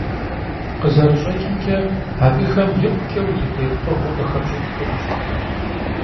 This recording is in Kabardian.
Khızerış'eç'ımç'e, abıxem yikhuç'e vuzıxuêy pkhığue khıxepş'ıç' xhunuş.